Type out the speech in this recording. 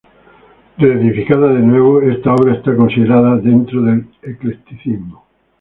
Reedificada de nuevo, esta obra está considerada dentro del eclecticismo.